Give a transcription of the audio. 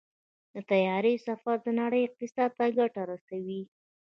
د طیارې سفر د نړۍ اقتصاد ته ګټه رسوي.